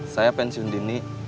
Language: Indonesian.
saya pensiun dini